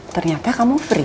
ternyata kamu free